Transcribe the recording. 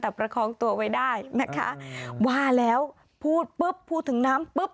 แต่ประคองตัวไว้ได้นะคะว่าแล้วพูดปุ๊บพูดถึงน้ำปุ๊บ